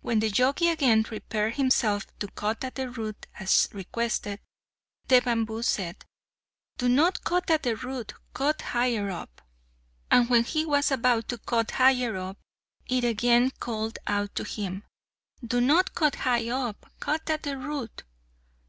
When the Jogi again prepared himself to cut at the root as requested, the bamboo said, "Do not cut at the root, cut higher up;" and when he was about to cut higher up, it again called out to him, "Do not cut high up, cut at the root."